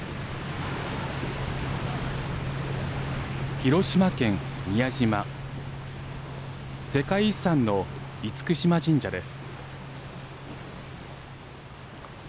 広島県宮島世界遺産の厳島神社です。